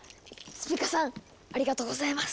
スピカさんありがとうございます！